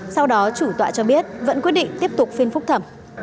sau đó chủ tọa cho biết vẫn quyết định tiếp tục phiên phúc thẩm